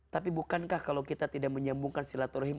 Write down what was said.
tapi bukankah kalau kita tidak menyambungkan silaturahim